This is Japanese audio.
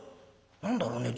「何だろうね。